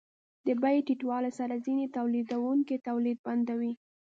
د بیې ټیټوالي سره ځینې تولیدونکي تولید بندوي